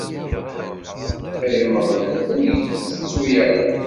Ay Ameɣlal, ur yi-ttettu ara!